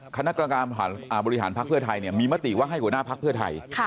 คณะการการมบริหารภักษ์เพื่อไทยมีมติว่าให้หัวหน้าภักครับ